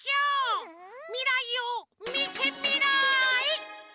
みらいをみてみらい！